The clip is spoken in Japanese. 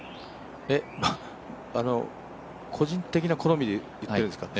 えっ、個人的な好みで言ってるんですか。